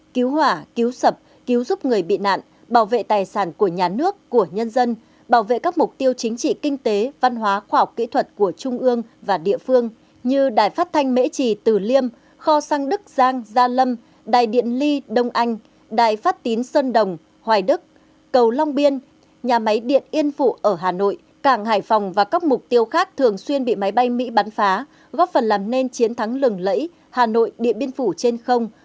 cứu hỏa cứu sập cứu giúp người bị nạn bảo vệ tài sản của nhà nước của nhân dân bảo vệ các mục tiêu chính trị kinh tế văn hóa khoa học kỹ thuật của trung ương và địa phương như đài phát thanh mễ trì tử liêm kho sang đức giang gia lâm đài điện ly đông anh đài phát tín sơn đồng hoài đức cầu long biên nhà máy điện yên phụ ở hà nội cảng hải phòng và các mục tiêu khác thường xuyên bị máy bay mỹ bắn phá góp phần làm nên chiến thắng lừng lẫy hà nội địa biên phủ trên không